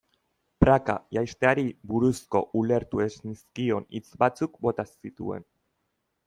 Praka jaisteari buruzko ulertu ez nizkion hitz batzuk bota zituen.